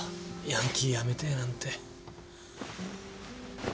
ヤンキーやめてえなんて。